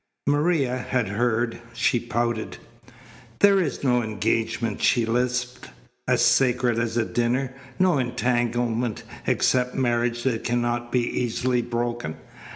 Maria had heard. She pouted. "There is no engagement," she lisped, "as sacred as a dinner, no entanglement except marriage that cannot be easily broken.